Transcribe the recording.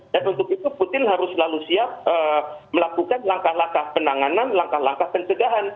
dan untuk itu putin harus selalu siap melakukan langkah langkah penanganan langkah langkah pencegahan